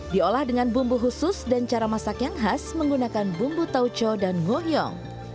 diolah dengan bumbu khusus dan cara masak yang khas menggunakan bumbu tauco dan ngoyong